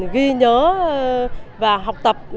ghi nhớ và học tập